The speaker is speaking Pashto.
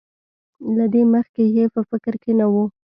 له دې مخکې یې په فکر کې نه وو.